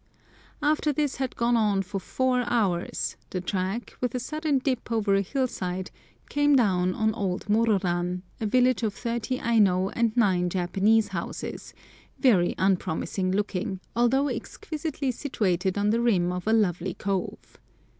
After this had gone on for four hours, the track, with a sudden dip over a hillside, came down on Old Mororan, a village of thirty Aino and nine Japanese houses, very unpromising looking, although exquisitely situated on the rim of a lovely cove.